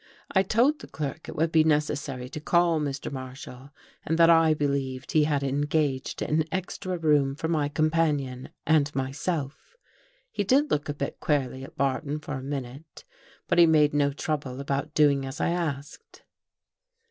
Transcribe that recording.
I told the clerk It would be necessary to call Mr. Marshall and that I believed he had en gaged an extra room for my companion and myself. He did look a bit queerly at Barton for a minute but he made no trouble about doing as I asked.